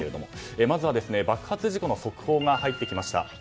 まずは爆発事故の速報が入ってきました。